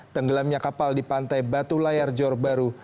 tenggelamnya kapal di pantai batu layar jor baru